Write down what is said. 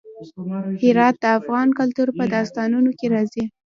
هرات د افغان کلتور په داستانونو کې راځي.